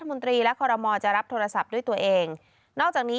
ทรงมีลายพระราชกระแสรับสู่ภาคใต้